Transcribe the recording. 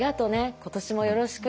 「今年もよろしく」。